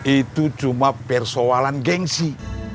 itu cuma persoalan gengsi